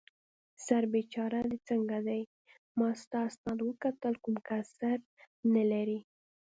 سر بېچاره دې څنګه دی؟ ما ستا اسناد وکتل، کوم کسر نه لرې.